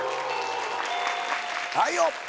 はいよ。